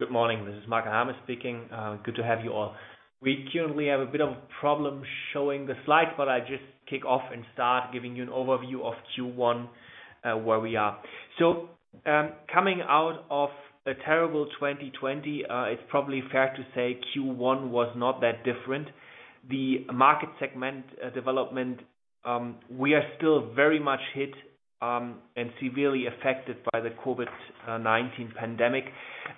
Good morning. This is Marc Al-Hames speaking. Good to have you all. We currently have a bit of a problem showing the slides, but I just kick off and start giving you an overview of Q1, where we are. Coming out of a terrible 2020, it's probably fair to say Q1 was not that different. The market segment development, we are still very much hit and severely affected by the COVID-19 pandemic.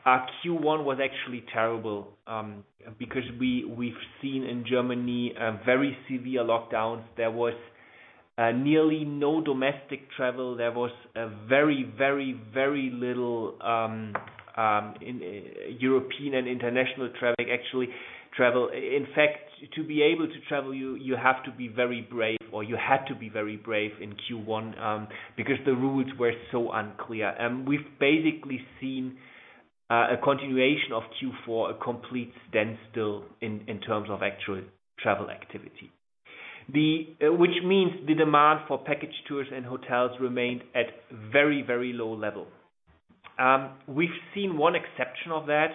Our Q1 was actually terrible because we've seen in Germany very severe lockdowns. There was nearly no domestic travel. There was very little European and international traffic actually travel. In fact, to be able to travel, you have to be very brave, or you had to be very brave in Q1 because the rules were so unclear. We've basically seen a continuation of Q4, a complete standstill in terms of actual travel activity. The demand for package tours and hotels remained at very low-level. We've seen one exception of that.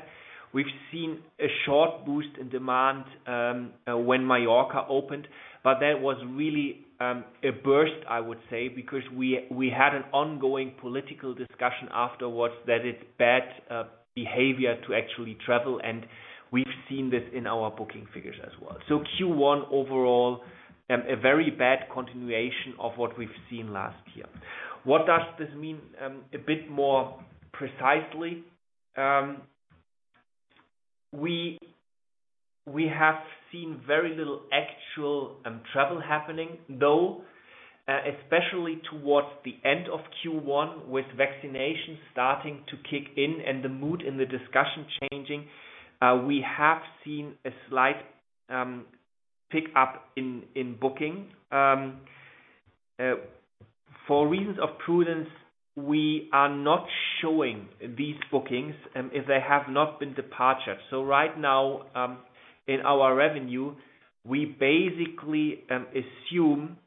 We've seen a short boost in demand when Mallorca opened, that was really a burst, I would say, because we had an ongoing political discussion afterwards that it's bad behavior to actually travel, we've seen this in our booking figures as well. Q1 overall, a very bad continuation of what we've seen last year. What does this mean a bit more precisely? We have seen very little actual travel happening, though, especially towards the end of Q1 with vaccinations starting to kick in and the mood and the discussion changing, we have seen a slight pick-up in booking. For reasons of prudence, we are not showing these bookings if they have not been departed. Right now, in our revenue, we basically assume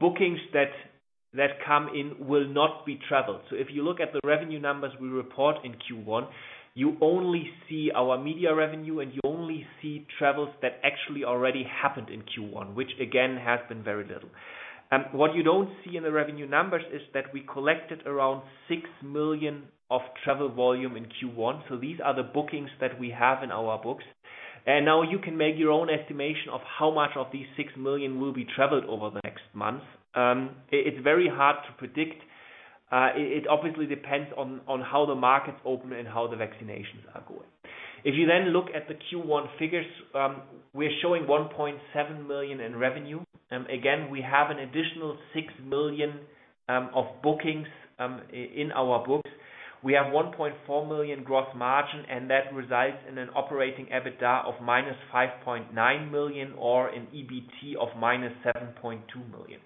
bookings that come in will not be traveled. If you look at the revenue numbers we report in Q1, you only see our media revenue, and you only see travels that actually already happened in Q1, which again has been very little. What you don't see in the revenue numbers is that we collected around 6 million of travel volume in Q1. These are the bookings that we have in our books. Now you can make your own estimation of how much of these 6 million will be traveled over the next month. It's very hard to predict. It obviously depends on how the markets open and how the vaccinations are going. If you look at the Q1 figures, we're showing 1.7 million in revenue. Again, we have an additional 6 million of bookings in our books. We have 1.4 million gross margin, and that resides in an operating EBITDA of -5.9 million or an EBT of -7.2 million.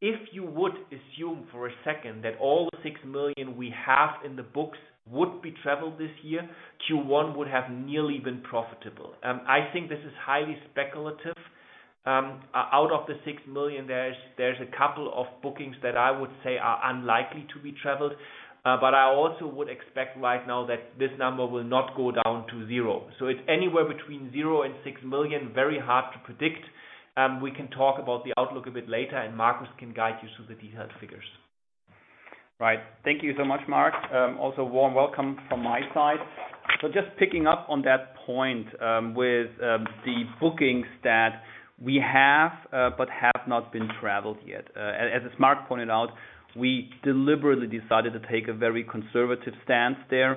If you would assume for a second that all the 6 million we have in the books would be traveled this year, Q1 would have nearly been profitable. I think this is highly speculative. Out of the 6 million, there's a couple of bookings that I would say are unlikely to be traveled. I also would expect right now that this number will not go down to zero. It's anywhere between zero and 6 million, very hard to predict. We can talk about the outlook a bit later and Markus can guide you through the detailed figures. Right. Thank you so much, Marc. Also, warm welcome from my side. Just picking up on that point with the bookings that we have, but have not been traveled yet. As Marc pointed out, we deliberately decided to take a very conservative stance there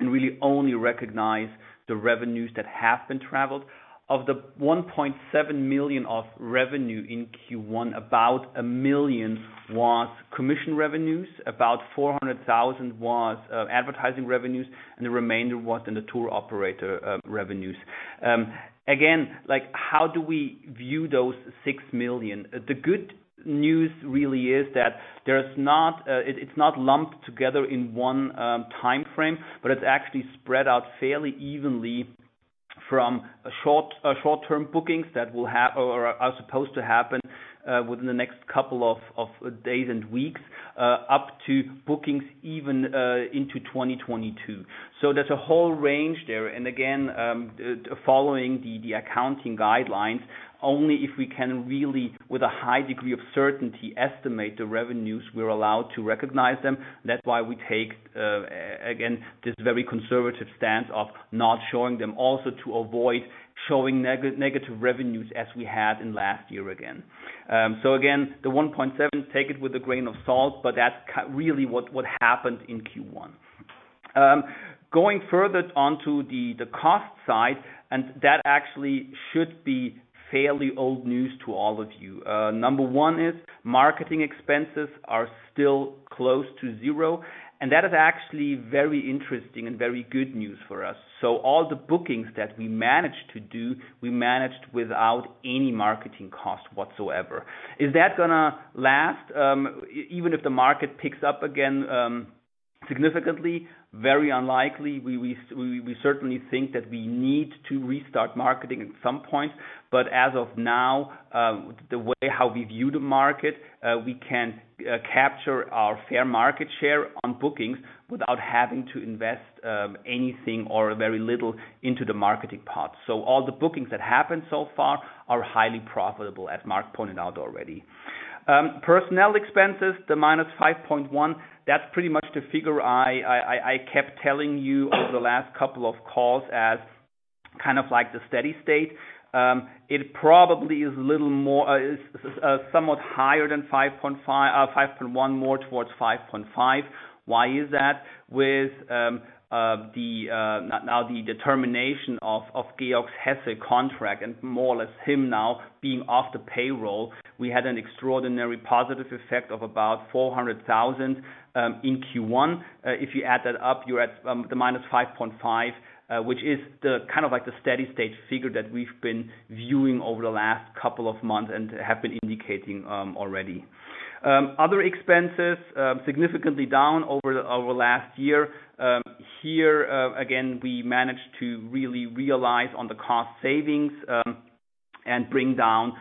and really only recognize the revenues that have been traveled. Of the 1.7 million of revenue in Q1, about 1 million was commission revenues, about 400,000 was advertising revenues, and the remainder was in the tour operator revenues. Again, how do we view those 6 million? The good news really is that it's not lumped together in one timeframe, but it's actually spread out fairly evenly from short-term bookings that are supposed to happen within the next couple of days and weeks, up to bookings even into 2022. There's a whole range there. Again, following the accounting guidelines, only if we can really, with a high degree of certainty, estimate the revenues, we're allowed to recognize them. That's why we take, again, this very conservative stance of not showing them, also to avoid showing negative revenues as we had in last year again. Again, the 1.7 million, take it with a grain of salt, but that's really what happened in Q1. Going further onto the cost side, that actually should be fairly old news to all of you. Number one is marketing expenses are still close to zero, and that is actually very interesting and very good news for us. All the bookings that we managed to do, we managed without any marketing cost whatsoever. Is that going to last even if the market picks up again? Significantly, very unlikely. We certainly think that we need to restart marketing at some point. As of now, the way how we view the market, we can capture our fair market share on bookings without having to invest anything or very little into the marketing part. All the bookings that happened so far are highly profitable, as Marc pointed out already. Personnel expenses, the -5.1 million, that's pretty much the figure I kept telling you over the last couple of calls as the steady state. It probably is somewhat higher than 5.1 million, more towards 5.5 million. Why is that? With now the determination of Georg Hesse contract and more or less him now being off the payroll, we had an extraordinary positive effect of about 400,000 in Q1. If you add that up, you're at the -5.5 million, which is the steady state figure that we've been viewing over the last couple of months and have been indicating already. Other expenses, significantly down over last year. Here, again, we managed to really realize on the cost savings and bring down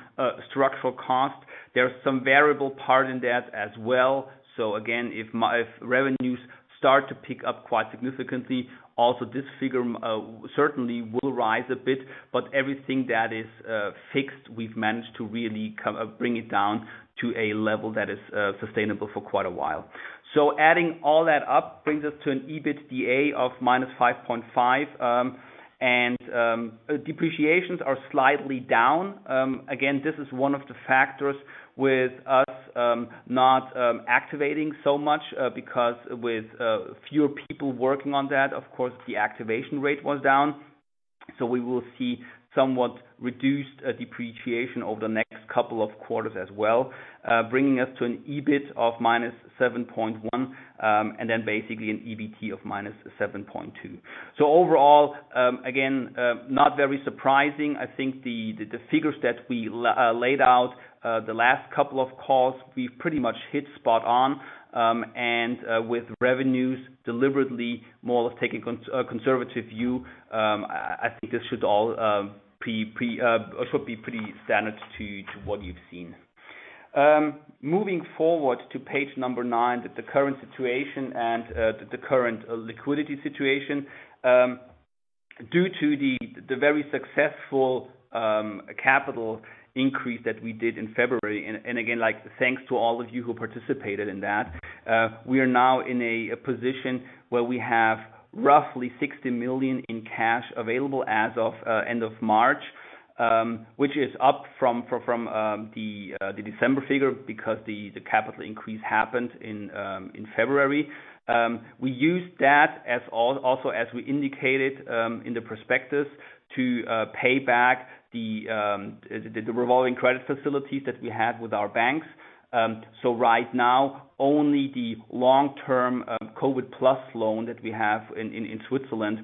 structural costs. There's some variable part in that as well. Again, if revenues start to pick up quite significantly, also this figure certainly will rise a bit. Everything that is fixed, we've managed to really bring it down to a level that is sustainable for quite a while. Adding all that up brings us to an EBITDA of -5.5 million. Depreciations are slightly down. Again, this is one of the factors with us not activating so much, because with fewer people working on that, of course, the activation rate was down. We will see somewhat reduced depreciation over the next couple of quarters as well, bringing us to an EBIT of -7.1 million, and then basically an EBT of -7.2 million. Overall, again, not very surprising. I think the figures that we laid out the last couple of calls, we pretty much hit spot on. With revenues deliberately more of taking a conservative view, I think this should all be pretty standard to what you've seen. Moving forward to page number nine, the current situation and the current liquidity situation. Due to the very successful capital increase that we did in February, and again, thanks to all of you who participated in that, we are now in a position where we have roughly 60 million in cash available as of end of March, which is up from the December figure because the capital increase happened in February. We used that also, as we indicated in the prospectus, to pay back the revolving credit facilities that we had with our banks. Right now, only the long-term COVID Plus loan that we have in Switzerland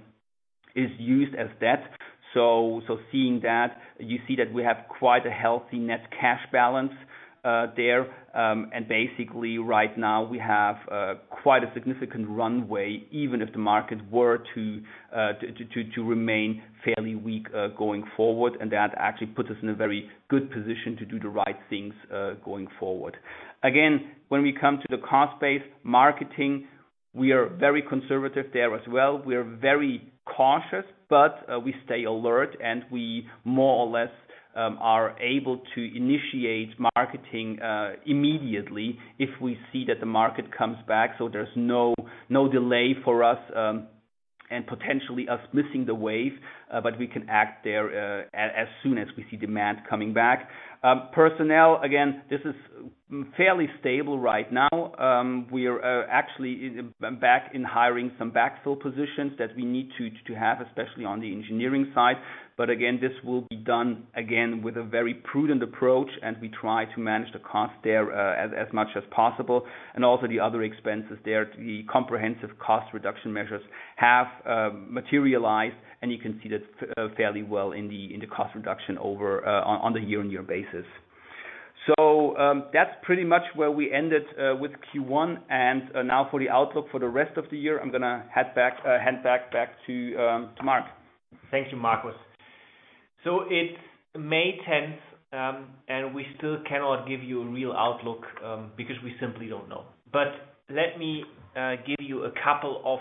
is used as debt. Seeing that, you see that we have quite a healthy net cash balance there. Basically right now we have quite a significant runway, even if the market were to remain fairly weak going forward, and that actually puts us in a very good position to do the right things going forward. Again, when we come to the cost base marketing, we are very conservative there as well. We are very cautious, but we stay alert, and we more or less are able to initiate marketing immediately if we see that the market comes back. There's no delay for us, and potentially us missing the wave, but we can act there as soon as we see demand coming back. Personnel, again, this is fairly stable right now. We are actually back in hiring some backfill positions that we need to have, especially on the engineering side. Again, this will be done, again, with a very prudent approach, and we try to manage the cost there as much as possible. Also the other expenses there, the comprehensive cost reduction measures have materialized, and you can see that fairly well in the cost reduction on the year-on-year basis. That's pretty much where we ended with Q1, and now for the outlook for the rest of the year, I'm going to hand back to Marc. Thank you, Markus. It's May 10th, we still cannot give you a real outlook because we simply don't know. Let me give you a couple of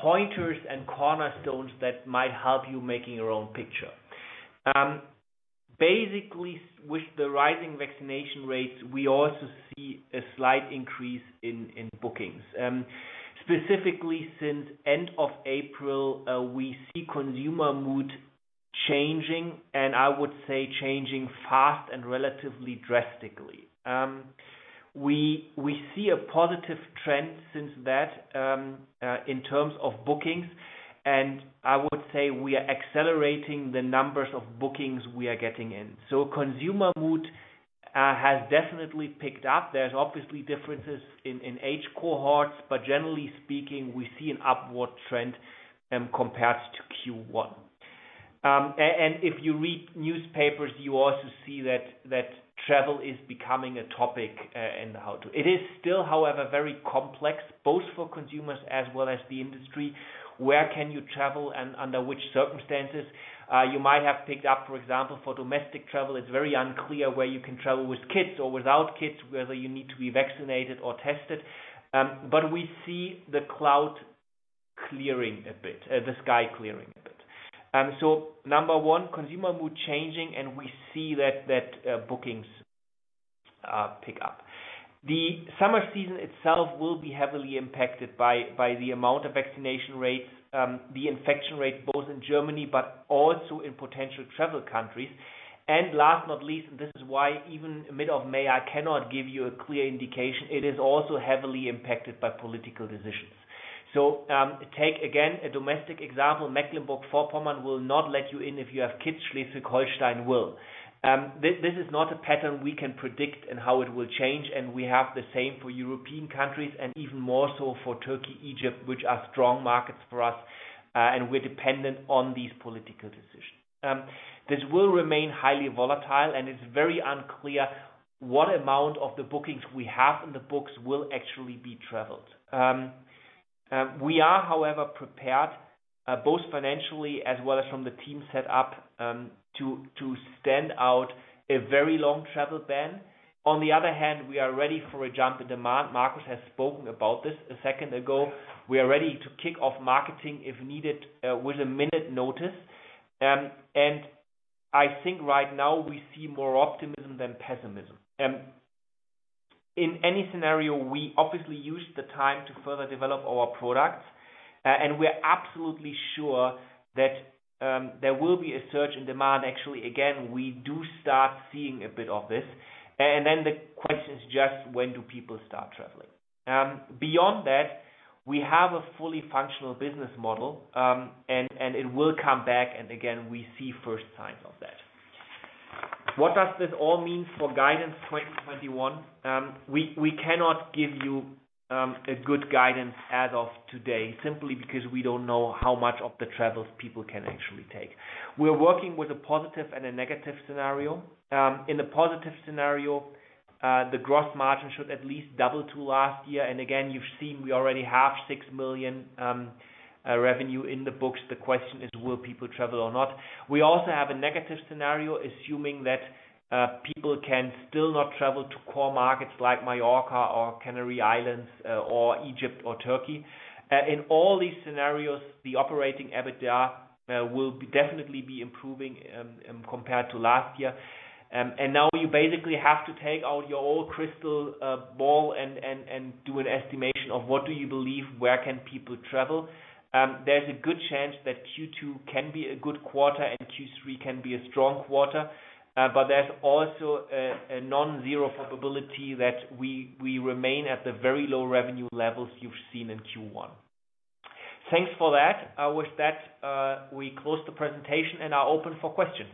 pointers and cornerstones that might help you making your own picture. With the rising vaccination rates, we also see a slight increase in bookings. Specifically since end of April, we see consumer mood changing, I would say changing fast and relatively drastically. We see a positive trend since that in terms of bookings, I would say we are accelerating the numbers of bookings we are getting in. Consumer mood has definitely picked up. There's obviously differences in age cohorts, generally speaking, we see an upward trend compared to Q1. If you read newspapers, you also see that travel is becoming a topic and how to. It is still, however, very complex, both for consumers as well as the industry. Where can you travel and under which circumstances? You might have picked up, for example, for domestic travel, it is very unclear where you can travel with kids or without kids, whether you need to be vaccinated or tested. We see the sky clearing a bit. Number one, consumer mood changing, and we see that bookings pick up. The summer season itself will be heavily impacted by the amount of vaccination rates, the infection rate, both in Germany, but also in potential travel countries. Last not least, and this is why even mid of May, I cannot give you a clear indication, it is also heavily impacted by political decisions. Take again a domestic example, Mecklenburg-Vorpommern will not let you in if you have kids. Schleswig-Holstein will. This is not a pattern we can predict in how it will change. We have the same for European countries and even more so for Turkey, Egypt, which are strong markets for us, and we're dependent on these political decisions. This will remain highly volatile. It's very unclear what amount of the bookings we have in the books will actually be traveled. We are, however, prepared both financially as well as from the team set up to stand through a very long travel ban. On the other hand, we are ready for a jump in demand. Markus has spoken about this a second ago. We are ready to kick off marketing if needed with a minute notice. I think right now we see more optimism than pessimism. In any scenario, we obviously use the time to further develop our products, and we are absolutely sure that there will be a surge in demand. Actually, again, we do start seeing a bit of this. The question is just when do people start traveling? Beyond that, we have a fully functional business model, and it will come back and again, we see first signs of that. What does this all mean for guidance 2021? We cannot give you a good guidance as of today simply because we don't know how much of the travels people can actually take. We're working with a positive and a negative scenario. In the positive scenario, the gross margin should at least double to last year. Again, you've seen we already have 6 million revenue in the books. The question is will people travel or not? We also have a negative scenario, assuming that people can still not travel to core markets like Mallorca or Canary Islands or Egypt or Turkey. In all these scenarios, the operating EBITDA will definitely be improving compared to last year. Now you basically have to take out your old crystal ball and do an estimation of what do you believe, where can people travel? There's a good chance that Q2 can be a good quarter and Q3 can be a strong quarter. There's also a non-zero probability that we remain at the very low revenue levels you've seen in Q1. Thanks for that. With that, we close the presentation and are open for questions.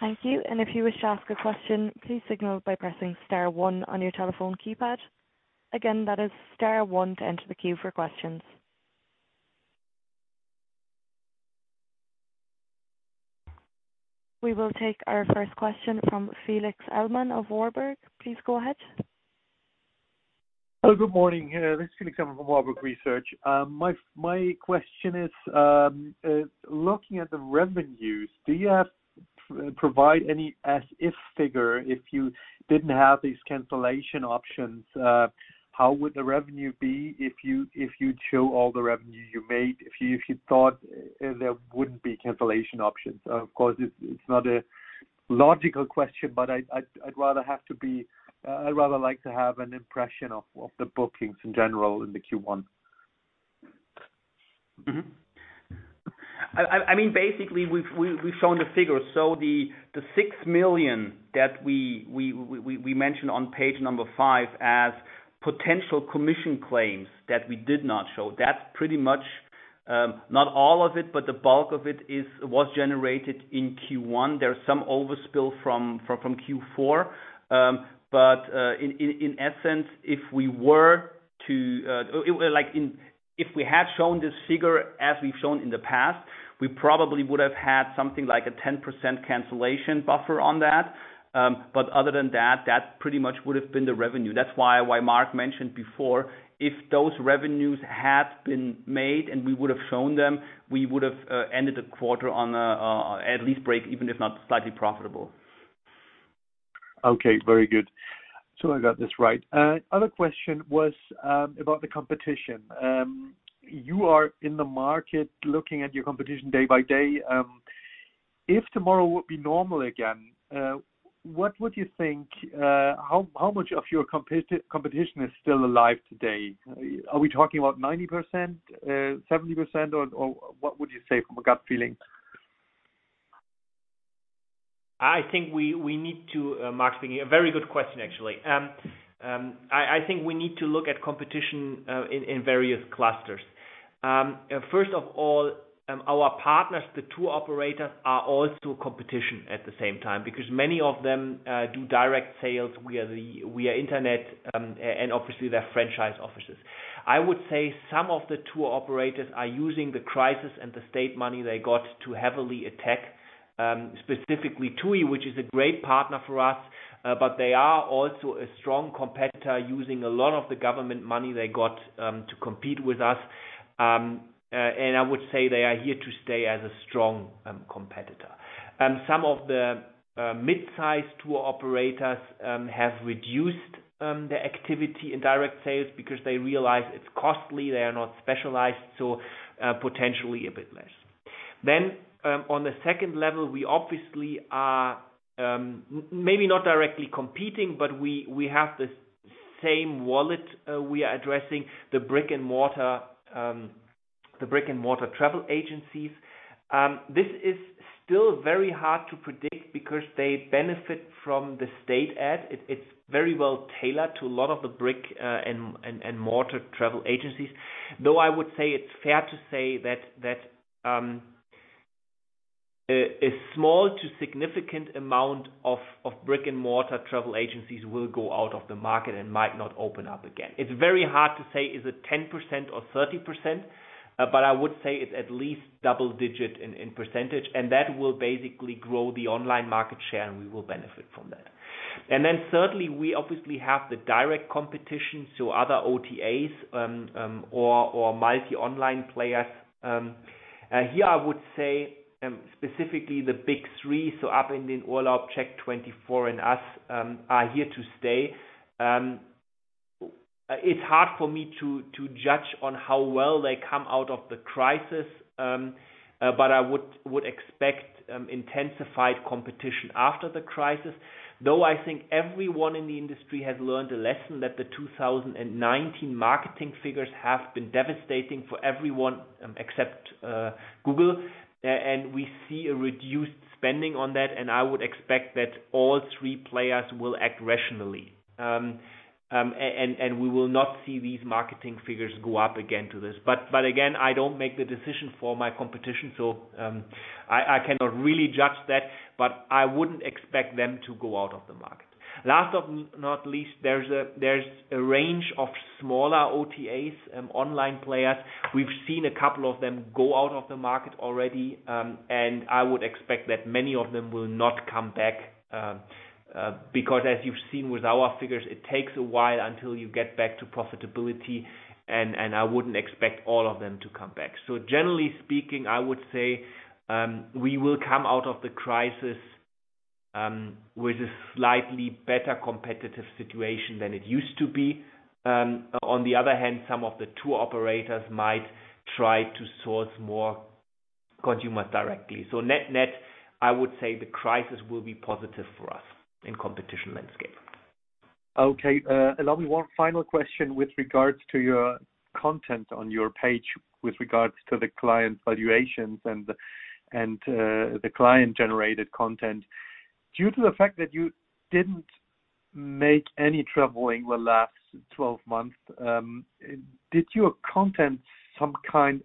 Thank you. If you wish to ask a question, please signal by pressing star one on your telephone keypad. Again, that is star one to enter the queue for questions. We will take our first question from Felix Ellmann of Warburg. Please go ahead. Hello. Good morning. This is Felix Ellmann from Warburg Research. My question is, looking at the revenues, do you provide any as if figure, if you didn't have these cancellation options, how would the revenue be if you'd show all the revenue you made, if you thought there wouldn't be cancellation options? Of course, it's not a logical question, but I'd rather like to have an impression of the bookings in general in the Q1. Mm-hmm. Basically, we've shown the figures. The 6 million that we mentioned on page number five as potential commission claims that we did not show, that's pretty much, not all of it, but the bulk of it was generated in Q1. There's some overspill from Q4. In essence, if we had shown this figure as we've shown in the past, we probably would have had something like a 10% cancellation buffer on that. Other than that pretty much would have been the revenue. That's` why Marc mentioned before, if those revenues had been made and we would have shown them, we would have ended the quarter on at least break-even if not slightly profitable. Okay. Very good. I got this right. Other question was about the competition. You are in the market looking at your competition day by day. If tomorrow would be normal again, what would you think, how much of your competition is still alive today? Are we talking about 90%, 70%, or what would you say from a gut feeling? I think we need to Marc speaking. A very good question, actually. I think we need to look at competition in various clusters. First of all, our partners, the tour operators are also competition at the same time because many of them do direct sales via internet, and obviously their franchise offices. I would say some of the tour operators are using the crisis and the state money they got to heavily attack, specifically TUI, which is a great partner for us, but they are also a strong competitor, using a lot of the government money they got to compete with us. I would say they are here to stay as a strong competitor. Some of the mid-size tour operators have reduced their activity in direct sales because they realize it's costly, they are not specialized, so potentially a bit less. On the second level, we obviously are, maybe not directly competing, but we have the same wallet we are addressing, the brick-and-mortar travel agencies. This is still very hard to predict because they benefit from the state aid. It's very well-tailored to a lot of the brick-and-mortar travel agencies, though I would say it's fair to say that a small to significant amount of brick-and-mortar travel agencies will go out of the market and might not open up again. It's very hard to say, is it 10% or 30%? I would say it's at least double-digit in percentage, and that will basically grow the online market share, and we will benefit from that. Thirdly, we obviously have the direct competition, so other OTAs or multi-online players. Here I would say, specifically the big three, so Ab in den Urlaub, OLAP, CHECK24, and us are here to stay. It's hard for me to judge on how well they come out of the crisis, but I would expect intensified competition after the crisis, though I think everyone in the industry has learned a lesson that the 2019 marketing figures have been devastating for everyone except Google. We see a reduced spending on that, and I would expect that all three players will act rationally. We will not see these marketing figures go up again to this. Again, I don't make the decision for my competition, so I cannot really judge that. I wouldn't expect them to go out of the market. Last but not least, there's a range of smaller OTAs, online players. We've seen a couple of them go out of the market already, and I would expect that many of them will not come back, because as you've seen with our figures, it takes a while until you get back to profitability, and I wouldn't expect all of them to come back. Generally speaking, I would say we will come out of the crisis with a slightly better competitive situation than it used to be. On the other hand, some of the tour operators might try to source more consumers directly. Net-net, I would say the crisis will be positive for us in competition landscape. Okay. Allow me one final question with regards to your content on your page with regards to the client valuations and the client-generated content. Due to the fact that you didn't make any traveling the last 12 months, did your content some kind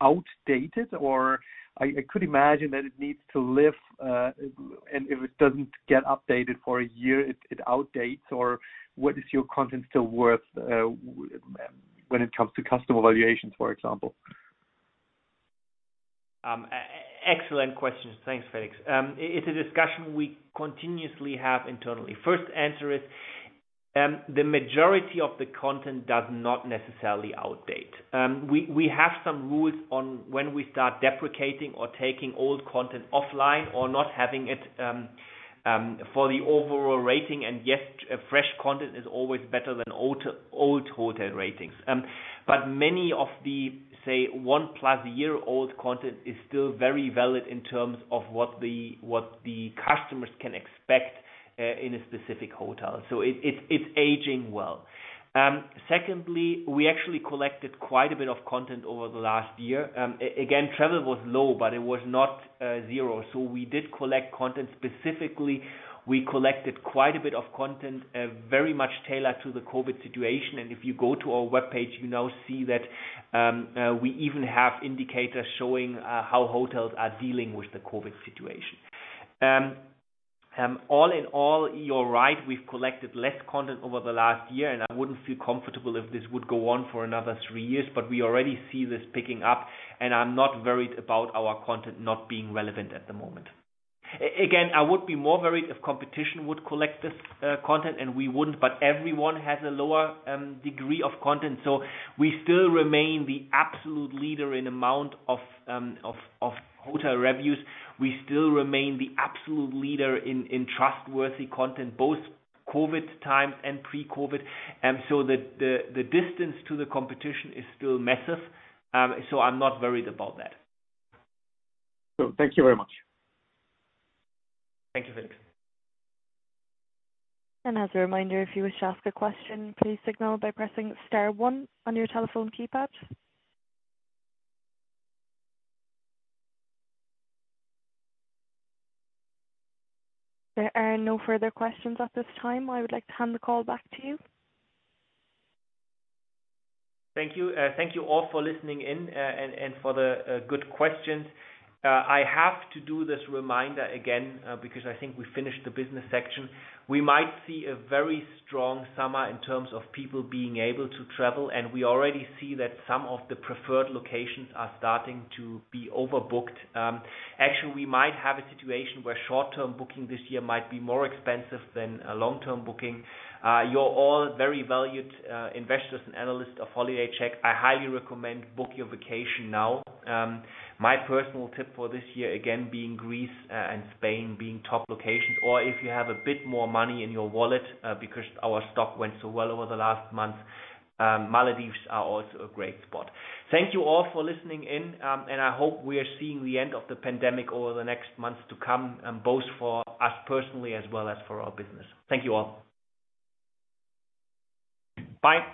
outdated? I could imagine that it needs to live, and if it doesn't get updated for a year, it outdates? What is your content still worth when it comes to customer valuations, for example? Excellent question. Thanks, Felix. It's a discussion we continuously have internally. First answer is, the majority of the content does not necessarily outdate. We have some rules on when we start deprecating or taking old content offline or not having it for the overall rating and yes, fresh content is always better than old hotel ratings. Many of the, say, one-plus-year-old content is still very valid in terms of what the customers can expect in a specific hotel. It's aging well. Secondly, we actually collected quite a bit of content over the last year. Again, travel was low, but it was not zero. We did collect content specifically. We collected quite a bit of content very much tailored to the COVID situation, and if you go to our webpage, you now see that we even have indicators showing how hotels are dealing with the COVID situation. All in all, you're right, we've collected less content over the last year, and I wouldn't feel comfortable if this would go on for another three years, but we already see this picking up, and I'm not worried about our content not being relevant at the moment. Again, I would be more worried if competition would collect this content and we wouldn't, but everyone has a lower degree of content, so we still remain the absolute leader in amount of hotel reviews. We still remain the absolute leader in trustworthy content, both COVID times and pre-COVID. The distance to the competition is still massive, so I'm not worried about that. Cool. Thank you very much. Thank you, Felix. As a reminder, if you wish to ask a question, please signal by pressing star one on your telephone keypad. There are no further questions at this time. I would like to hand the call back to you. Thank you. Thank you all for listening in and for the good questions. I have to do this reminder again, because I think we finished the business section. We might see a very strong summer in terms of people being able to travel, and we already see that some of the preferred locations are starting to be overbooked. Actually, we might have a situation where short-term booking this year might be more expensive than a long-term booking. You're all very valued investors and analysts of HolidayCheck. I highly recommend book your vacation now. My personal tip for this year, again, being Greece and Spain being top locations, or if you have a bit more money in your wallet, because our stock went so well over the last month, Maldives are also a great spot. Thank you all for listening in, and I hope we are seeing the end of the pandemic over the next months to come, both for us personally as well as for our business. Thank you all. Bye.